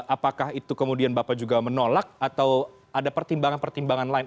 apakah itu kemudian bapak juga menolak atau ada pertimbangan pertimbangan lain